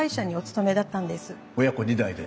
親子２代で。